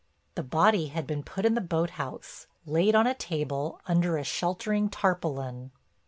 The body had been put in the boathouse, laid on a table under a sheltering tarpaulin.